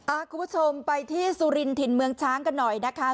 อ่าทุกคนไปที่สุรินที่ถึงเมืองช้างกันหน่อยนะคะ